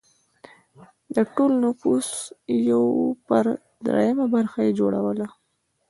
د ټول نفوس یو پر درېیمه برخه یې جوړوله